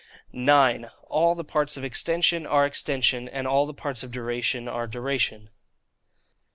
9. All the Parts of Extension are Extension, and all the Parts of Duration are Duration.